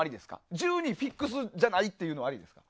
１２フィックスじゃないっていうのはありですか？